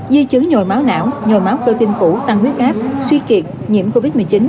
di chứng nhồi máu não nhồi máu cơ tim cũ tăng huyết áp suy kiệt nhiễm covid một mươi chín